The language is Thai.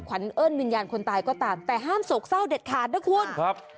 ขวัญเอิ้นวิญญาณคนตายก็ตามแต่ห้ามโศกเศร้าเด็ดขาดนะคุณครับ